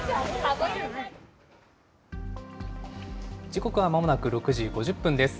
時刻はまもなく６時５０分です。